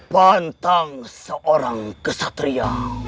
pantang seorang kesatria